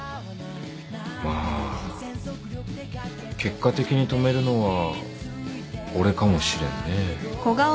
まあ結果的に止めるのは俺かもしれんね。